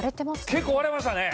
結構割れましたね。